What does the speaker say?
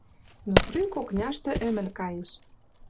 Но трӱк окняшты ӹмӹл каеш.